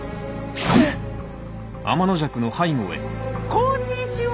こんにちは。